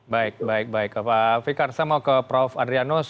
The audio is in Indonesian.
baik baik baik pak fikar saya mau ke prof adrianus